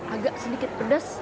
agak sedikit pedas